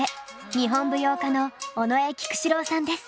日本舞踊家の尾上菊紫郎さんです。